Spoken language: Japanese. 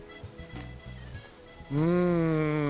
うん。